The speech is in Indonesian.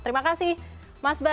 terima kasih mas bas